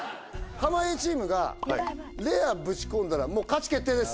濱家チームがレアぶち込んだらもう勝ち決定です